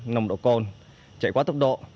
nồng độ cồn chạy quá tốc độ